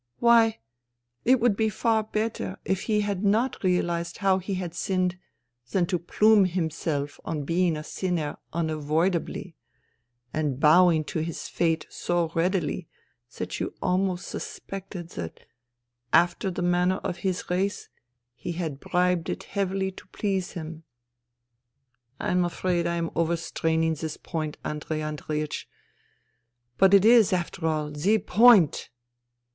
Why, it would be far better if he had not realized how he had sinned than to plume himself on being a sinner unavoidably and bowing to his fate so readily that you almost suspected that, after the manner of his race, he had bribed it heavily to please him. I am afraid I am overstraining this point, Andrei Andreiech. But it is, after all, the point.